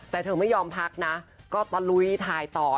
แต่เธอไม่ยอมพักนะก็ตะลุยถ่ายต่อ